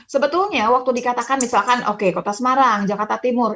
sebetulnya waktu dikatakan misalkan oke kota semarang jakarta timur